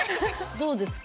どうですか？